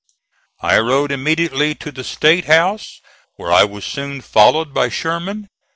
I rode immediately to the State House, where I was soon followed by Sherman.